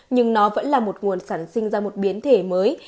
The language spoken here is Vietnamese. nhưng nó vẫn là một nguồn sản sinh ra một biến thể mới